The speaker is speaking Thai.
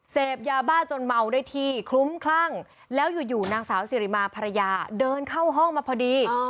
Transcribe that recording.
เสพยาบ้าจนเมาได้ที่คลุ้มคลั่งแล้วอยู่นางสาวสิริมาภรรยาเดินเข้าห้องมาพอดี